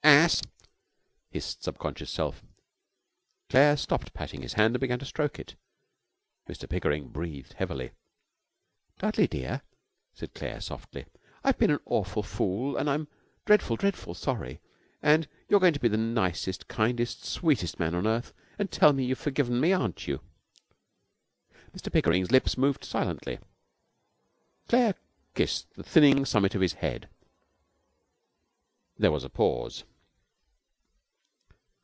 'Ass!' hissed Subconscious Self. Claire stopped patting his hand and began to stroke it. Mr Pickering breathed heavily. 'Dudley, dear,' said Claire, softly, 'I've been an awful fool, and I'm dreadful, dreadful sorry, and you're going to be the nicest, kindest, sweetest man on earth and tell me you've forgiven me. Aren't you?' Mr Pickering's lips moved silently. Claire kissed the thinning summit of his head. There was a pause.